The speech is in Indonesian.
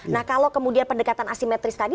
nah kalau kemudian pendekatan asimetris tadi